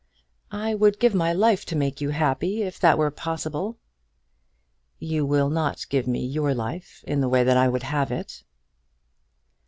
"I would give my life to make you happy, if that were possible." "You will not give me your life in the way that I would have it."